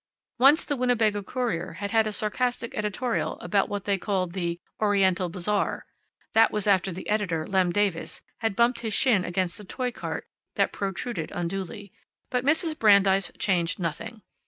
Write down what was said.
Once the Winnebago Courier had had a sarcastic editorial about what they called the Oriental bazaar (that was after the editor, Lem Davis, had bumped his shin against a toy cart that protruded unduly), but Mrs. Brandeis changed nothing.